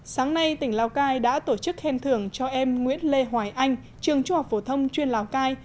sáng nay tỉnh lào cai đã tổ chức khen thưởng cho em nguyễn lê hoài anh trường trung học phổ thông chuyên lào cai